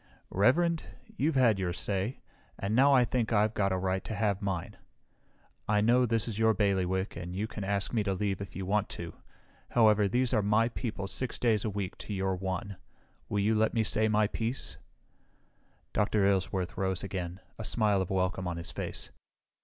"Reverend, you've had your say, and now I think I've got a right to have mine. I know this is your bailiwick and you can ask me to leave if you want to. However, these are my people six days a week to your one. Will you let me say my piece?" Dr. Aylesworth rose again, a smile of welcome on his face.